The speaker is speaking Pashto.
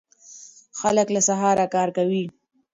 خلک له سهاره کار کوي.